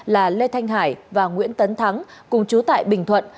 là lê thanh hải và nguyễn tấn thắng cùng chú tại bình thuận